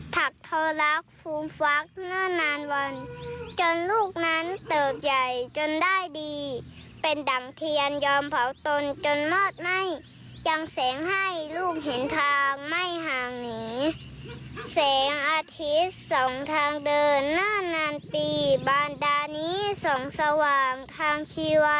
เสียงอาทิตย์๒ทางเดินหน้านานปีบานดานี้๒สว่างทางชีวร